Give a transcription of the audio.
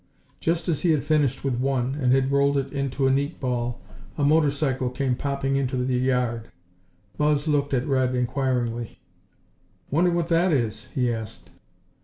Just as he had finished with one, and had rolled it into a neat ball, a motor cycle came popping into the yard. Buzz looked at Red inquiringly. "Wonder what that is?" he asked.